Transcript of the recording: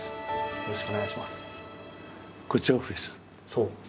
そう。